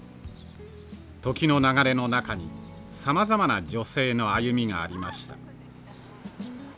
時の流れの中にさまざまな女性の歩みがありました。